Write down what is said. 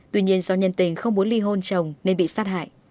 tuy nhiên do nhân tình không muốn ly hôn trồng nên bị sát hại